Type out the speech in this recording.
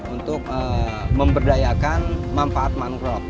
untuk memberdayakan manfaat mangrove